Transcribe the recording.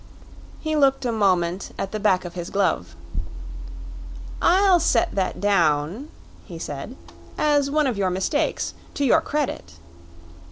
He looked a moment at the back of his glove. "I'll set that down," he said, "as one of your mistakes to your credit."